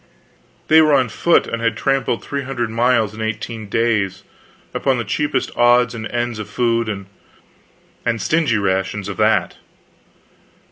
They were on foot, and had tramped three hundred miles in eighteen days, upon the cheapest odds and ends of food, and stingy rations of that.